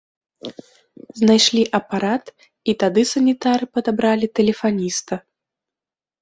Знайшлі апарат, і тады санітары падабралі тэлефаніста.